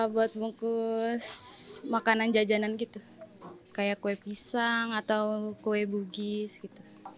buat bungkus makanan jajanan gitu kayak kue pisang atau kue bugis gitu